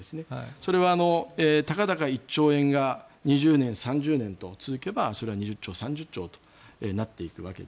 それはたかだか１兆円が２０年、３０年と続けばそれは２０兆、３０兆となっていくわけで。